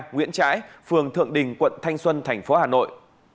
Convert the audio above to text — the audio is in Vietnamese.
nguyễn trãi phường thượng đình quận thanh xuân thành phố hà nội